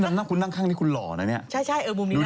หน้าคุณนั่งข้างนี้คุณหล่อน่ะเนี้ย